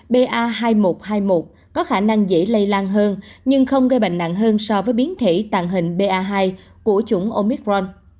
ba hai nghìn một trăm hai mươi một có khả năng dễ lây lan hơn nhưng không gây bệnh nặng hơn so với biến thể tàn hình ba hai của chủng omicron